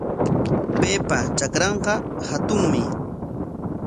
Paypa trakranqa hatunmi.